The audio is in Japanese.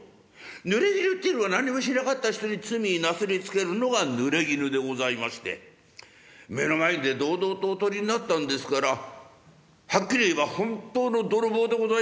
ぬれぎぬっていうのは何にもしなかった人に罪なすりつけるのがぬれぎぬでございまして目の前で堂々とおとりになったんですからはっきり言えば本当の泥棒でございますよ。